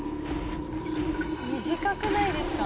「短くないですか？」